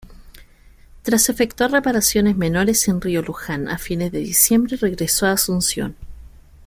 Tras efectuar reparaciones menores en río Luján a fines de diciembre regresó a Asunción.